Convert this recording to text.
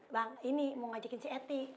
bang ini mau ngajakin si eti